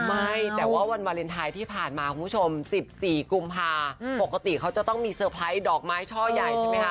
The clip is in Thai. ไม่แต่ว่าวันวาเลนไทยที่ผ่านมาคุณผู้ชม๑๔กุมภาปกติเขาจะต้องมีเซอร์ไพรส์ดอกไม้ช่อใหญ่ใช่ไหมคะ